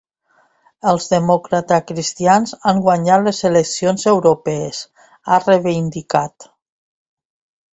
Els democratacristians han guanyat les eleccions europees, ha reivindicat.